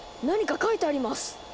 何か書いてあります！